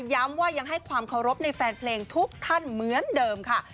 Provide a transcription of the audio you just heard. ย้ำว่ายังให้ความเคารพในแฟนเพลงทุกท่านเหมือนเดิมค่ะ